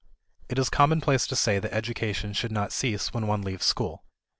It is a commonplace to say that education should not cease when one leaves school.